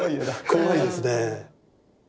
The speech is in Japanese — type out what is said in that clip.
怖いですねぇ。